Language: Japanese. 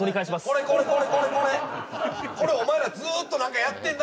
これこれこれこれこれこれお前らずーっと何かやってんな